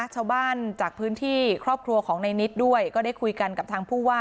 ชาวบ้านจากพื้นที่ครอบครัวของในนิดด้วยก็ได้คุยกันกับทางผู้ว่า